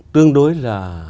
tương đối là